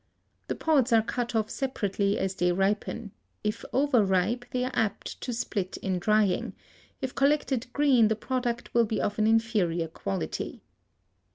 The pods are cut off separately as they ripen; if over ripe they are apt to split in drying; if collected green the product will be of an inferior quality.